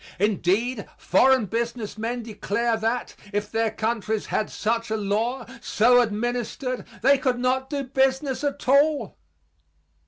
Indeed, foreign business men declare that, if their countries had such a law, so administered, they could not do business at all.